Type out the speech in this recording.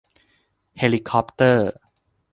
เฮลิคอปเตอร์